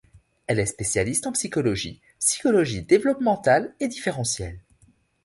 Elle est spécialiste en psychologie psychologie développementale et différentielle.